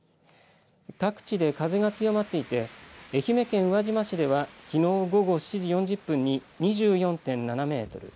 各地で風が強まっていて愛媛県宇和島市ではきのう午後７時４０分に２４．７メートル